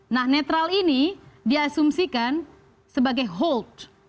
nah netral ini diasumsikan sebagai hold